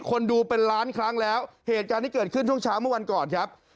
คนดูเป็นล้านครั้งแล้วเหตุการณ์ที่เกิดขึ้นช่วงเช้าเมื่อวันก่อนครับ